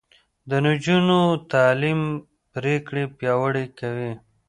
د نجونو تعليم پرېکړې پياوړې کوي.